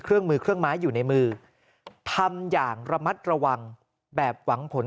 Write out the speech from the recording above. เครื่องมือเครื่องไม้อยู่ในมือทำอย่างระมัดระวังแบบหวังผล